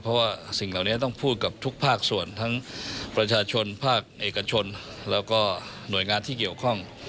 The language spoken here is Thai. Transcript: เพราะว่าสิ่งเหล่านี้ต้องพูดกับทุกภาคส่วนทั้งประชาชนภาคเอกชนแล้วก็หน่วยงานที่เกี่ยวข้อง